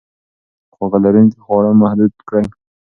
خواږه لرونکي خواړه محدود کړئ.